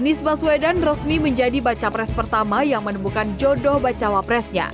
anies baswedan resmi menjadi baca pres pertama yang menemukan jodoh bacawa presnya